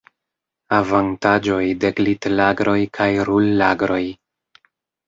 Avantaĝoj de glit-lagroj kaj rul-lagroj.